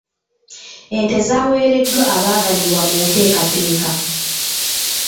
Ente zaaweereddwa abaganyulwa mu nteekateeka.